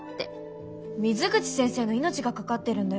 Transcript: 水口先生の命がかかってるんだよ？